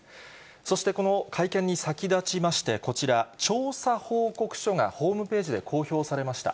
そしてこの会見に先立ちまして、こちら、調査報告書がホームページで公表されました。